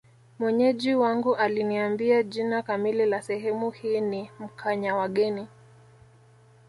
Mwenyeji wangu aliniambia jina kamili la sehemu hii ni Mkanyawageni